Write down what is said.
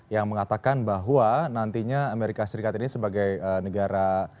yang mengatakan bahwa nantinya amerika serikat ini sebagai negara